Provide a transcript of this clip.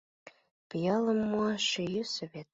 Пиалым муаш йӧсӧ вет.